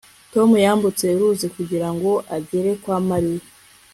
tom yambutse uruzi kugira ngo agere kwa mariya